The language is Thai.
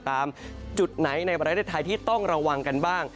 จุดไหนในประเทศไทยที่ต้องระวังกันบ้าง